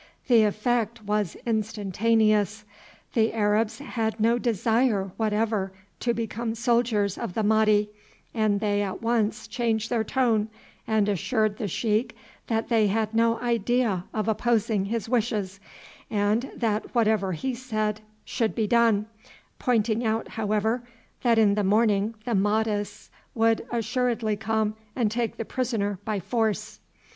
The effect was instantaneous. The Arabs had no desire whatever to become soldiers of the Mahdi, and they at once changed their tone and assured the sheik that they had no idea of opposing his wishes, and that whatever he said should be done, pointing out, however, that in the morning the Madhists would assuredly come and take the prisoner by force.